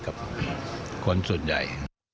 กับคนสุดใหญ่